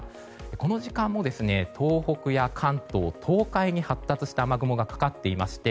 この時間も、東北や関東・東海に発達した雨雲がかかっていまして